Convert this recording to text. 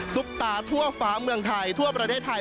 ตาทั่วฟ้าเมืองไทยทั่วประเทศไทย